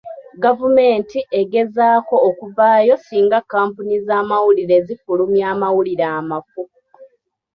Gavumenti egezaako okuvaayo singa kkampuni z'amawulire zifulumya amawulire amafu.